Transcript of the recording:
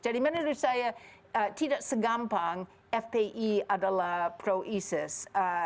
jadi menurut saya tidak segampang fpi adalah pro isis